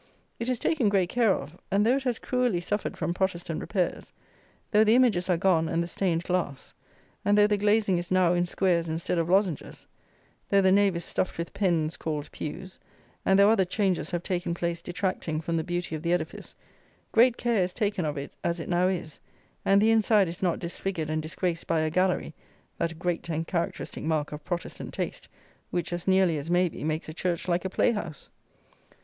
It is taken great care of; and though it has cruelly suffered from Protestant repairs; though the images are gone and the stained glass; and though the glazing is now in squares instead of lozenges; though the nave is stuffed with pens called pews; and though other changes have taken place detracting from the beauty of the edifice, great care is taken of it as it now is, and the inside is not disfigured and disgraced by a gallery, that great and characteristic mark of Protestant taste, which, as nearly as may be, makes a church like a playhouse.